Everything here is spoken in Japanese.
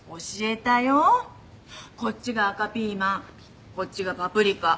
こっちが赤ピーマンこっちがパプリカ。